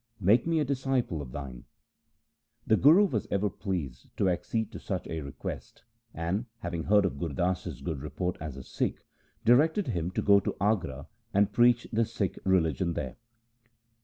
Make me a disciple of thine.' The Guru was ever pleased to accede to such a request, and, having heard of Gur Das's good report as a Sikh, directed him to go to Agra and preach the Sikh religion there.